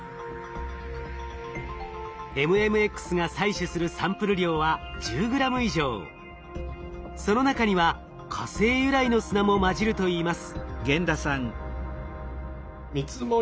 ＭＭＸが採取するサンプル量はその中には火星由来の砂も混じるといいます。